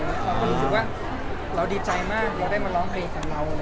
เราก็รู้สึกว่าเราดีใจมากเราได้มาร้องเพลงกับเรา